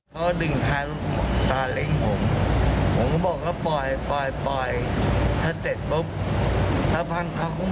กระโดดขึ้นสาเล็งเขาก็มีแคลร์เล็ง